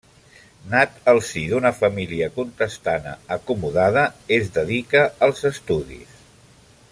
Nat al si d'una família contestana acomodada, es dedica als estudis.